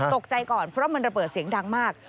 ตกใจก่อนเพราะมันระเบิดเสียงดังมาก